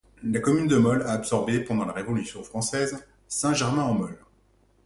La commune de Molles a absorbé, pendant la Révolution française, Saint-Germain-en-Molles.